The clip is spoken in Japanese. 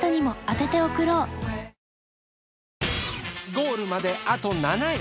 ゴールまであと７駅。